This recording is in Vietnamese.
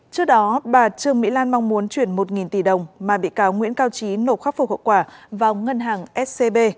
trước đó bà trương mỹ lan mong muốn chuyển một tỷ đồng mà bị cáo nguyễn cao trí nộp khắc phục hậu quả vào ngân hàng scb